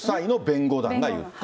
夫妻の弁護団が言った。